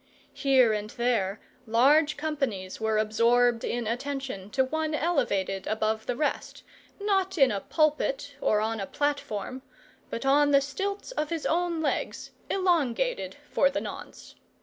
Here and there large companies were absorbed in attention to one elevated above the rest, not in a pulpit, or on a platform, but on the stilts of his own legs, elongated for the nonce.